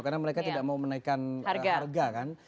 karena mereka tidak mau menaikan harga kan